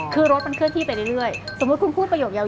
คือรถมันเคลื่อนที่ไปเรื่อยสมมุติคุณพูดประโยคยาว